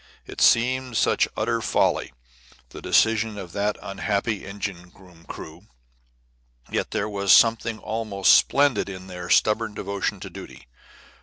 It seemed such utter folly, the decision of that unhappy engine room crew, yet there was something almost splendid in their stubborn devotion to duty.